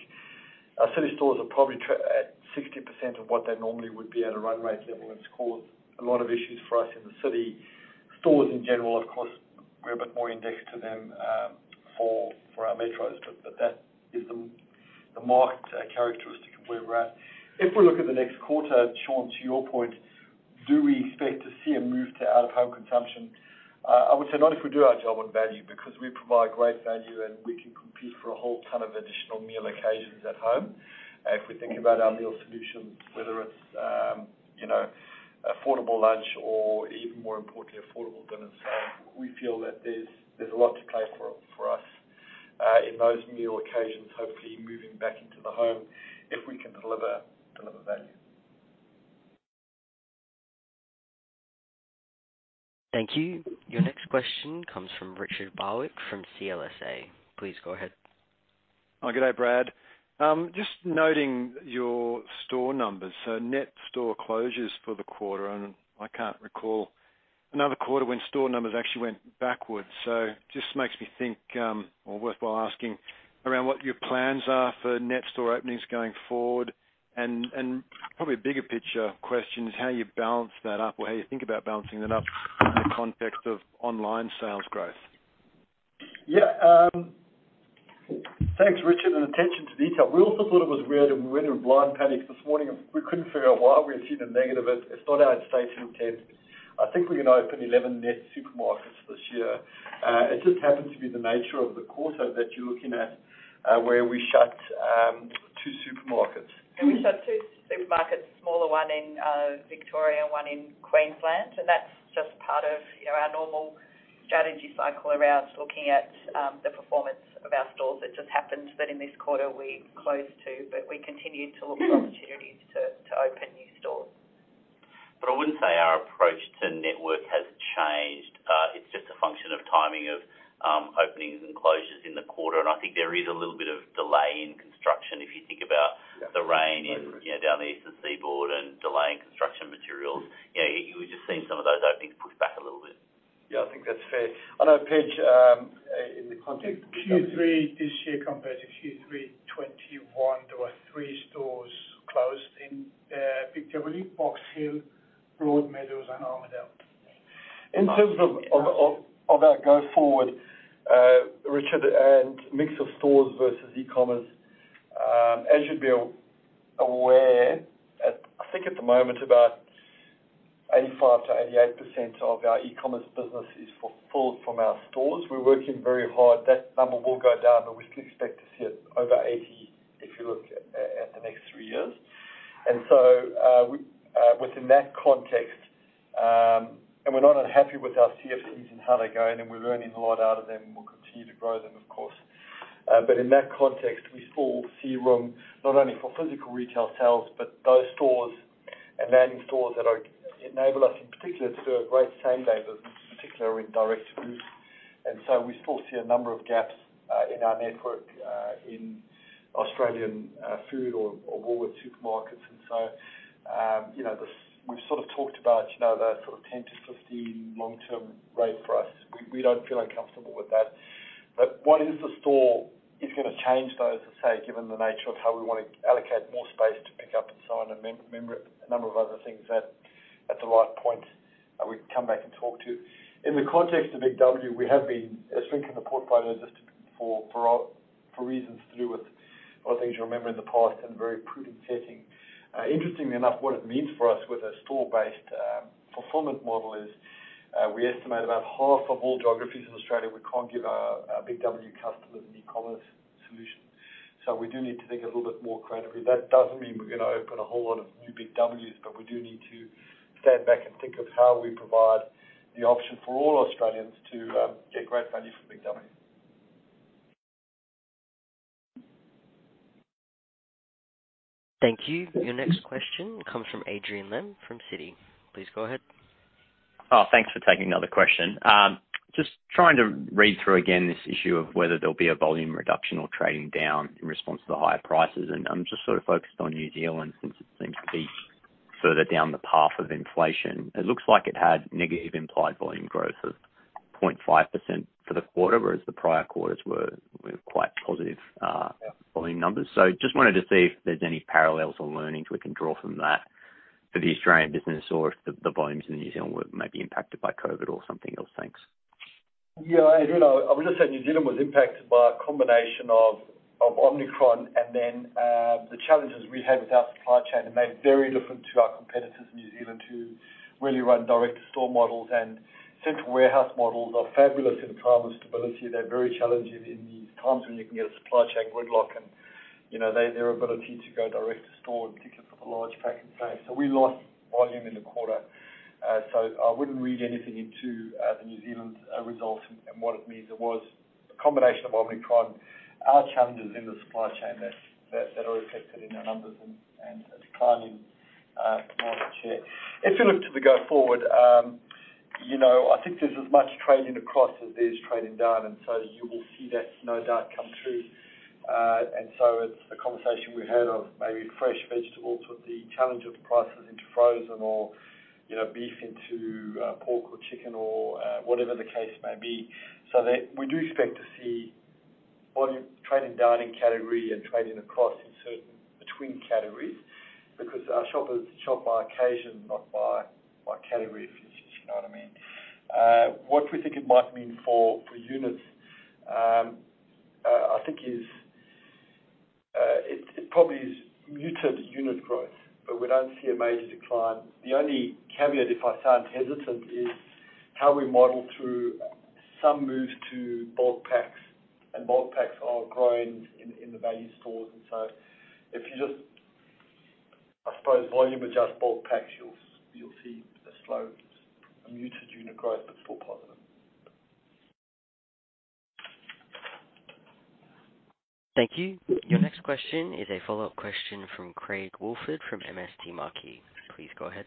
Our city stores are probably at 60% of what they normally would be at a run rate level, and it's caused a lot of issues for us in the city. Stores in general, of course, we're a bit more indexed to them for our metros, but that is the marked characteristic of where we're at. If we look at the next quarter, Shaun, to your point, do we expect to see a move to out-of-home consumption? I would say not if we do our job on value, because we provide great value, and we can compete for a whole ton of additional meal occasions at home. If we think about our meal solutions, whether it's you know, affordable lunch or, even more importantly, affordable dinners. We feel that there's a lot to play for us in those meal occasions, hopefully moving back into the home if we can deliver value. Thank you. Your next question comes from Richard Barwick from CLSA. Please go ahead. Oh, g'day, Brad. Just noting your store numbers, so net store closures for the quarter. I can't recall another quarter when store numbers actually went backwards. Just makes me think it's worthwhile asking about what your plans are for net store openings going forward. Probably a bigger picture question is how you balance that up or how you think about balancing that up in the context of online sales growth. Yeah. Thanks, Richard, and attention to detail. We also thought it was weird, and we went in a blind panic this morning, and we couldn't figure out why we were seeing a negative. It's not our expectation. I think we're gonna open 11 net supermarkets this year. It just happens to be the nature of the quarter that you're looking at, where we shut 2 supermarkets. We shut two supermarkets, a smaller one in Victoria and one in Queensland. That's just part of, you know, our normal strategy cycle around looking at the performance of our stores. It just happens that in this quarter we closed two. We continue to look for opportunities to open new stores. I wouldn't say our approach to network has changed. It's just a function of timing of openings and closures in the quarter. I think there is a little bit of delay in construction if you think about. Yeah. The rain in, you know, down the eastern seaboard and delay in construction materials. Yeah, you're just seeing some of those openings pushed back a little bit. Yeah, I think that's fair. On a page, in the context- Q3 this year compared to Q3 2021, there were three stores closed in Victoria, I believe. Box Hill, Broadmeadows and Armadale. In terms of our go forward, Richard, and mix of stores versus e-commerce, as you'd be aware, I think at the moment, about 85%-88% of our e-commerce business is fulfilled from our stores. We're working very hard. That number will go down, but we can expect to see it over 80% if you look at the next three years. Within that context, we're not unhappy with our CFCs and how they're going, and we're learning a lot out of them, and we'll continue to grow them, of course. But in that context, we still see room not only for physical retail sales, but those stores and landing stores that enable us in particular to do great same-day, but particularly in direct route. We still see a number of gaps in our network in Australian Food or Woolworths Supermarkets. You know, we've sort of talked about, you know, the sort of 10%-15% long-term rate for us. We don't feel uncomfortable with that. What the store is gonna change those, as I say, given the nature of how we wanna allocate more space to Pick Up & Sign and remember a number of other things at the right point, we can come back and talk to. In the context of BIG W, we have been shrinking the portfolio just for reasons to do with a lot of things you remember in the past and very prudent setting. Interestingly enough, what it means for us with a store-based performance model is, we estimate about half of all geographies in Australia, we can't give our BIG W customers an e-commerce solution. We do need to think a little bit more creatively. That doesn't mean we're gonna open a whole lot of new BIG Ws, but we do need to stand back and think of how we provide the option for all Australians to get great value from BIG W. Thank you. Your next question comes from Adrian Lemme from Citi. Please go ahead. Oh, thanks for taking another question. Just trying to read through again this issue of whether there'll be a volume reduction or trading down in response to the higher prices. I'm just sort of focused on New Zealand since it seems to be further down the path of inflation. It looks like it had negative implied volume growth of 0.5% for the quarter, whereas the prior quarters were quite positive. Yeah. Volume numbers. Just wanted to see if there's any parallels or learnings we can draw from that for the Australian business or if the volumes in New Zealand were maybe impacted by COVID or something else. Thanks. Yeah, Adrian, I would just say New Zealand was impacted by a combination of Omicron and then the challenges we had with our supply chain. It made it very different to our competitors in New Zealand who really run direct-to-store models and central warehouse models are fabulous in calmer stability. They're very challenging in these times when you can get a supply chain gridlock and, you know, their ability to go direct to store, in particular for the large pack and play. We lost volume in the quarter. I wouldn't read anything into the New Zealand results and what it means. It was a combination of Omicron, our challenges in the supply chain that are reflected in our numbers and a decline in market share. If you look to the going forward, you know, I think there's as much trading across as there is trading down, and so you will see that no doubt come through. It's the conversation we had of maybe fresh vegetables with the challenge of prices into frozen or, you know, beef into pork or chicken or whatever the case may be. We do expect to see volume trading down in category and trading across in certain between categories because our shoppers shop by occasion, not by category, if you see what I mean. What we think it might mean for units, I think it probably is muted unit growth, but we don't see a major decline. The only caveat, if I sound hesitant, is how we model through some move to bulk packs, and bulk packs are growing in the value stores. If you just, I suppose, volume adjust bulk packs, you'll see a slow, muted unit growth but still positive. Thank you. Your next question is a follow-up question from Craig Woolford from MST Marquee. Please go ahead.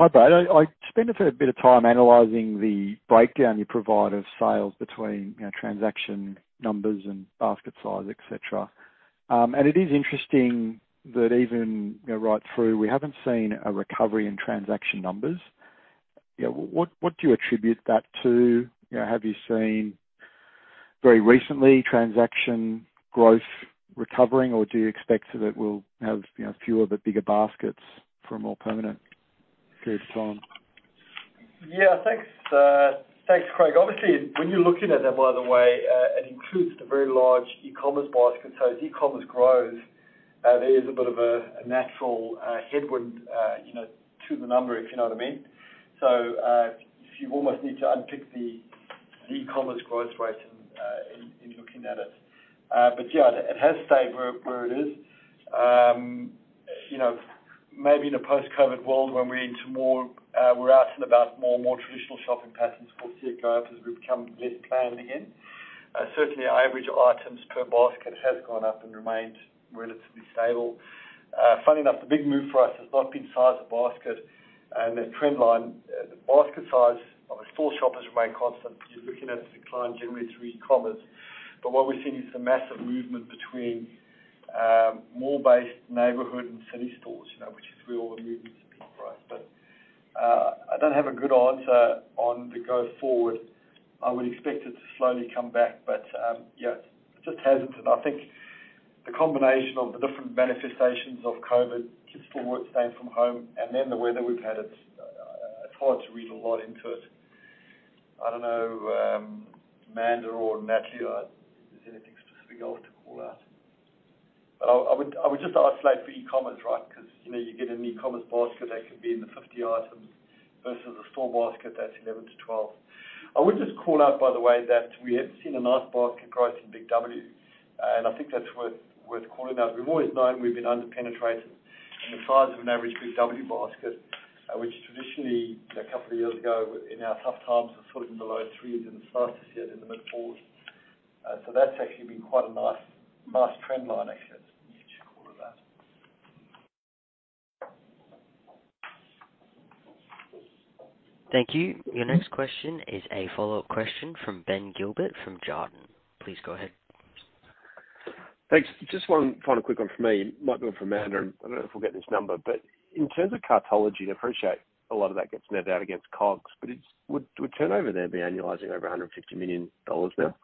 Hi, Brad. I spent a bit of time analyzing the breakdown you provide of sales between, you know, transaction numbers and basket size, et cetera. It is interesting that even, you know, right through, we haven't seen a recovery in transaction numbers. You know, what do you attribute that to? You know, have you seen very recently transaction growth recovering or do you expect that it will have, you know, fewer but bigger baskets for a more permanent period of time? Yeah, thanks, Craig. Obviously, when you're looking at that, by the way, it includes the very large e-commerce basket. As e-commerce grows, there is a bit of a natural headwind, you know, to the number, if you know what I mean. You almost need to unpick the e-commerce growth rate in looking at it. Yeah, it has stayed where it is. You know, maybe in a post-COVID world when we're into more, we're out and about more traditional shopping patterns, we'll see it go up as we become less planned again. Certainly our average items per basket has gone up and remained relatively stable. Funny enough, the big move for us has not been size of basket and the trend line. The basket size of a store shopper has remained constant. You're looking at the decline generally through e-commerce. What we've seen is the massive movement between mall-based neighborhood and city stores, you know, which is where all the movements have been, right? I don't have a good answer on the going forward. I would expect it to slowly come back, but yeah, just hesitant. I think the combination of the different manifestations of COVID, kids still working from home, and then the weather we've had, it's hard to read a lot into it. I don't know, Amanda or Natalie, if there's anything specific you want to call out. I would just isolate for e-commerce, right? You know, you get an e-commerce basket that could be in the 50 items versus a store basket that's 11-12. I would just call out, by the way, that we have seen a nice basket growth in BIG W. I think that's worth calling out. We've always known we've been under-penetrated in the size of an average BIG W basket, which traditionally, you know, a couple of years ago in our tough times was sort of in the low 3s and it started to see it in the mid 4s. That's actually been quite a nice trend line actually to call it out. Thank you. Your next question is a follow-up question from Ben Gilbert from Jarden. Please go ahead. Thanks. Just one final quick one for me. Might be one for Amanda. I don't know if we'll get this number, but in terms of Cartology, I appreciate a lot of that gets net out against COGS, but would turnover there be annualizing over 150 million dollars now?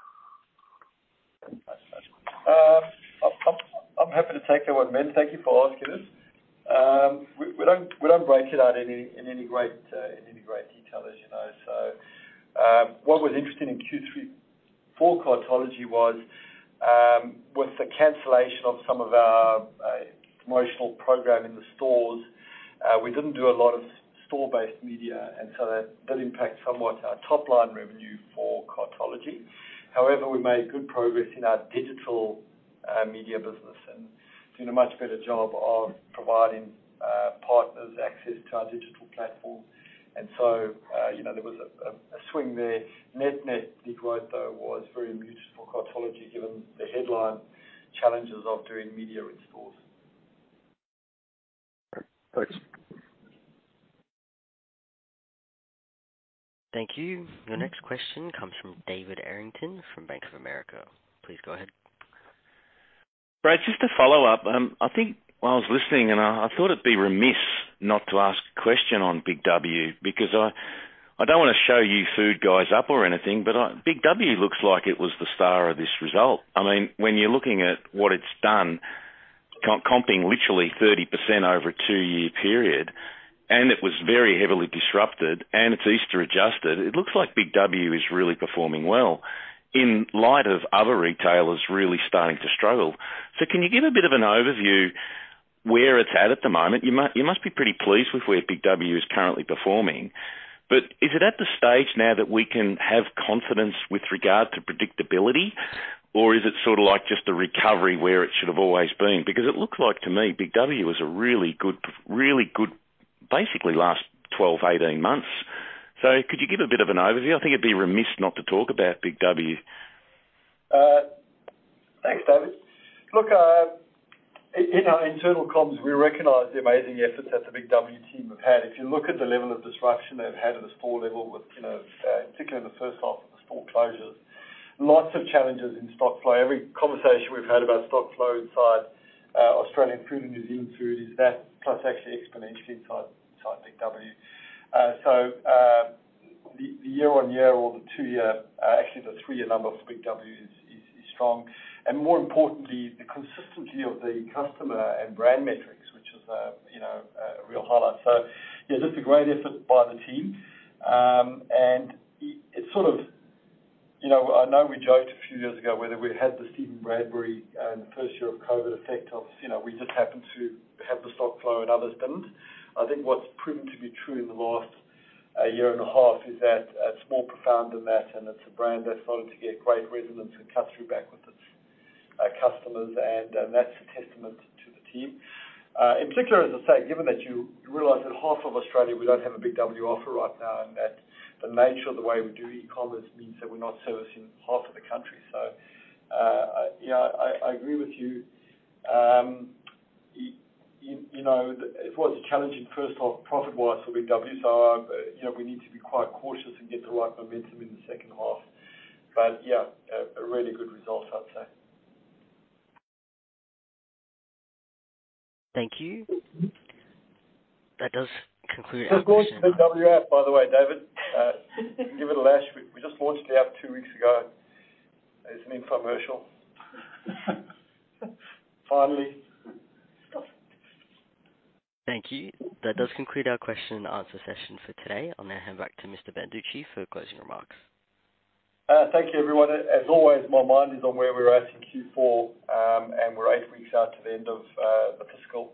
I'm happy to take that one, Ben. Thank you for asking it. We don't break it out in any great detail, as you know. What was interesting in Q3 for cartology was with the cancellation of some of our promotional program in the stores, we didn't do a lot of store-based media, and that did impact somewhat our top line revenue for cartology. However, we made good progress in our digital media business and doing a much better job of providing partners access to our digital platform. You know, there was a swing there. Net-net decline, though, was very muted for cartology, given the headline challenges of doing media in stores. Thanks. Thank you. The next question comes from David Errington from Bank of America. Please go ahead. Brad, just to follow up, I think while I was listening, I thought it'd be remiss not to ask a question on Big W because I don't wanna show you food guys up or anything, but Big W looks like it was the star of this result. I mean, when you're looking at what it's done, comping literally 30% over a two-year period, and it was very heavily disrupted, and it's Easter adjusted, it looks like Big W is really performing well in light of other retailers really starting to struggle. Can you give a bit of an overview where it's at the moment? You must be pretty pleased with where Big W is currently performing. Is it at the stage now that we can have confidence with regard to predictability, or is it sort of like just a recovery where it should have always been? Because it looks like to me, Big W was a really good basically last 12, 18 months. Could you give a bit of an overview? I think it'd be remiss not to talk about Big W. Thanks, David. Look, in our internal comms, we recognize the amazing efforts that the BIG W team have had. If you look at the level of disruption they've had at a store level with, you know, particularly in the first half with the store closures, lots of challenges in stock flow. Every conversation we've had about stock flow inside Australian Food and New Zealand Food is that plus actually exponentially inside BIG W. The year-on-year or the two-year, actually the three-year number for BIG W is strong. More importantly, the consistency of the customer and brand metrics, which is, you know, a real highlight. Yeah, just a great effort by the team. It's sort of You know, I know we joked a few years ago whether we had the Steven Bradbury, first year of COVID effect of, you know, we just happened to have the stock flow and others didn't. I think what's proven to be true in the last, year and a half is that it's more profound than that, and it's a brand that's going to get great resonance and cut through back with its, customers and that's a testament to the team. In particular, as I say, given that you realize that half of Australia, we don't have a Big W offer right now, and that the nature of the way we do e-commerce means that we're not servicing half of the country. Yeah, I agree with you. You know, it was a challenging first half profit-wise for Big W. you know, we need to be quite cautious and get the right momentum in the second half. Yeah, a really good result, I'd say. Thank you. That does conclude our question. Of course, BIG W app, by the way, David. Give it a lash. We just launched the app two weeks ago as an infomercial. Finally. Thank you. That does conclude our question and answer session for today. I'll now hand back to Mr. Banducci for closing remarks. Thank you, everyone. As always, my mind is on where we're at in Q4, and we're 8 weeks out to the end of the fiscal.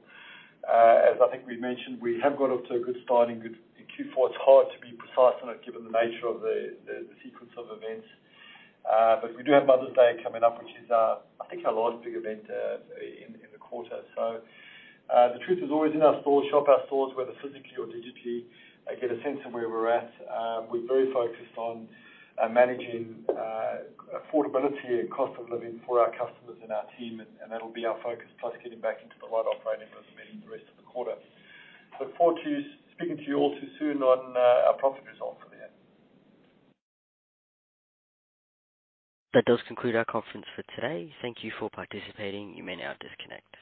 As I think we mentioned, we have got off to a good start in Q4. It's hard to be precise on it given the nature of the sequence of events. We do have Mother's Day coming up, which is, I think our last big event in the quarter. The truth is always in our stores, shop our stores, whether physically or digitally, get a sense of where we're at. We're very focused on managing affordability and cost of living for our customers and our team, and that'll be our focus, plus getting back into the right operating rhythm in the rest of the quarter. Look forward to speaking to you all too soon on our profit result for the year. That does conclude our conference for today. Thank you for participating. You may now disconnect.